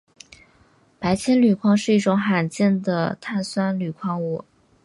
白铅铝矿是一种罕见的碳酸铝矿物。